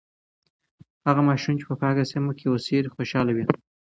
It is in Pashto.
هغه ماشوم چې په پاکه سیمه کې اوسیږي، خوشاله وي.